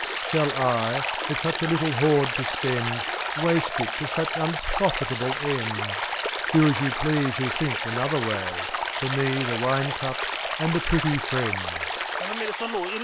Shall I, with such a little hoard to spend. Waste it to such unprofitable end? 3^. Do as you please who think another way — For me the wine cup and a pretty friend.